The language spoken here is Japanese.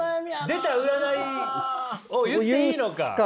出た占いを言っていいのか。